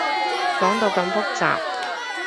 講到咁複雜